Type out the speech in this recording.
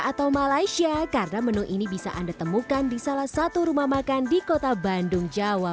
atau malaysia karena menu ini bisa anda temukan di salah satu rumah makan di kota bandung jawa